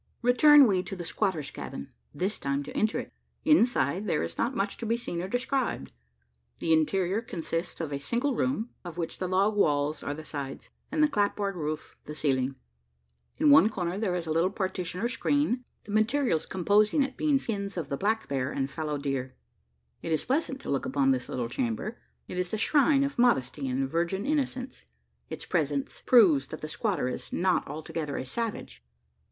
Return we to the squatter's cabin this time to enter it. Inside, there is not much to be seen or described. The interior consists of a single room of which the log walls are the sides, and the clapboard roof the ceiling. In one corner there is a little partition or screen the materials composing it being skins or the black bear and fallow deer. It is pleasant to look upon this little chamber: it is the shrine of modesty and virgin innocence. Its presence proves that the squatter is not altogether a savage.